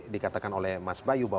dikatakan oleh mas bayu